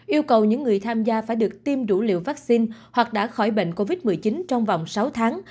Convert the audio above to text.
yêu cầu những người tham gia phải được tiêm đủ liều vaccine hoặc đã khỏi bệnh covid một mươi chín trong vòng sáu tháng